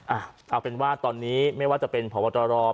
อ่าเอาเป็นว่าตอนนี้ไม่ว่าจะเป็นผวตรรอบ